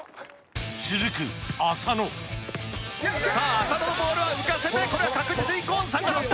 続く浅野さあ浅野のボールは浮かせてこれは確実にゴンさんが捕った。